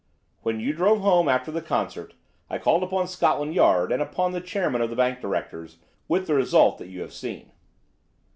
When you drove home after the concert I called upon Scotland Yard and upon the chairman of the bank directors, with the result that you have seen."